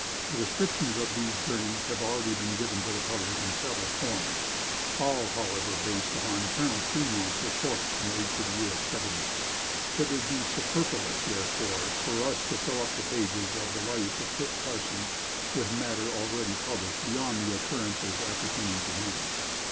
The descriptions of all these journeys have already been given to the public in several forms, all however based upon Colonel Fremont's reports made to the U.S. Government. It would be superfluous, therefore, for us to fill up the pages of the life of Kit Carson with matter already published beyond the occurrences appertaining to him.